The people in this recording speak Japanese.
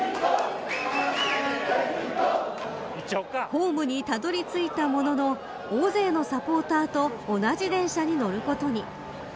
ホームにたどり着いたものの大勢のサポーターと同じ電車に乗ることに。